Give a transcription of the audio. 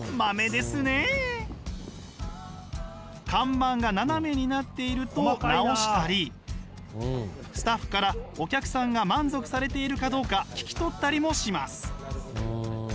看板が斜めになっていると直したりスタッフからお客さんが満足されているかどうか聞き取ったりもします。